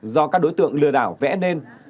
do các đối tượng lừa đảo vẽ nên